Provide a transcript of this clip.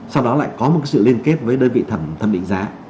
sau đó lại có một sự liên kết với đơn vị thẩm định giá